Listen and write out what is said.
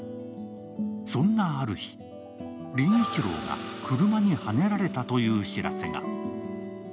そんなある日、凛一郎が車にはねられたという知らせが。